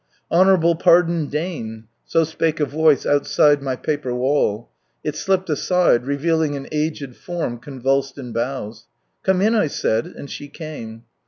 " Honourable pardon deign !" So spake a voice outside my paper wall ; it slipped aside, revealing an aged form convulsed in bows. " Come in," I said, and she came.